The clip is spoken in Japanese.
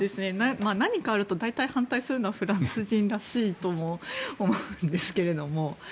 何かあると大体反対するのはフランス人らしいとも思うんですが。